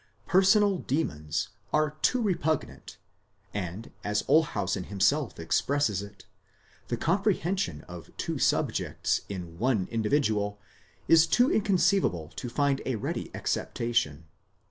Personal demons are too repugnant, and as Olshausen himself expresses it, the comprehension of two subjects in one individual is too inconceivable to find a ready acceptation.